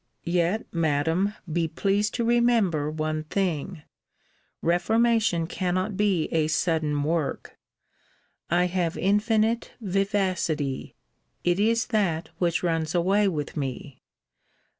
Yet, Madam, be pleased to remember one thing; reformation cannot be a sudden work. I have infinite vivacity: it is that which runs away with me.